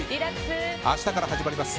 明日から始まります